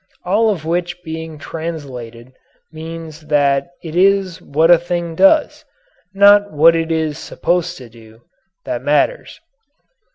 All of which being translated means that it is what a thing does not what it is supposed to do that matters.